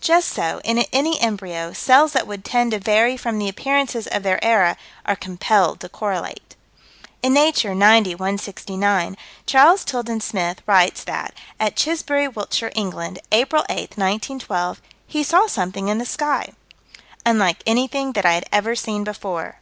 Just so, in any embryo, cells that would tend to vary from the appearances of their era are compelled to correlate. In Nature, 90 169, Charles Tilden Smith writes that, at Chisbury, Wiltshire, England, April 8, 1912, he saw something in the sky " unlike anything that I had ever seen before."